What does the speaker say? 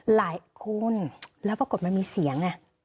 หลายคนแล้วปรากฏมันมีเสียงไง